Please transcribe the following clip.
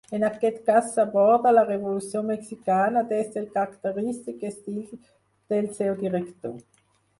En aquest cas s'aborda la revolució mexicana des del característic estil del seu director.